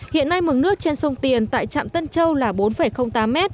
hiện nay mực nước trên sông tiền tại trạm tân châu là bốn tám m